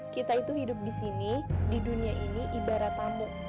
kita itu hidup di sini di dunia ini ibarat tamu